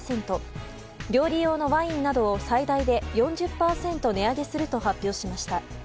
料理用のワインなどを最大で４０％値上げすると発表しました。